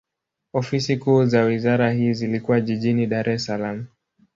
Ofisi kuu za wizara hii zilikuwa jijini Dar es Salaam.